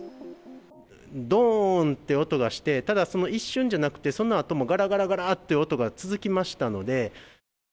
どーんという音がして、ただその一瞬じゃなくて、そのあともがらがらがらって音が続きましたので。